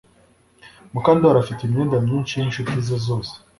Mukandoli afite imyenda myinshi yinshuti ze zose